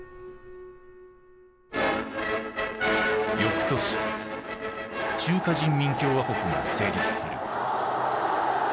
よくとし中華人民共和国が成立する。